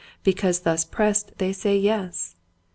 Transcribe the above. Because thus pressed they say, " Yes."